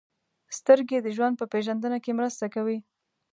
• سترګې د ژوند په پېژندنه کې مرسته کوي.